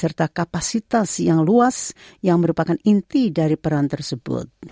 serta kapasitas yang luas yang merupakan inti dari peran tersebut